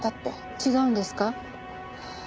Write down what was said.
違うんですか？